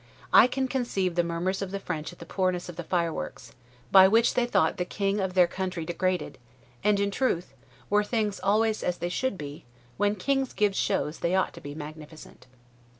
I can conceive the murmurs of the French at the poorness of the fireworks, by which they thought their king of their country degraded; and, in truth, were things always as they should be, when kings give shows they ought to be magnificent.